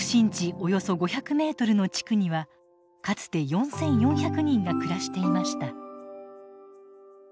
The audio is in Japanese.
およそ５００メートルの地区にはかつて４，４００人が暮らしていました。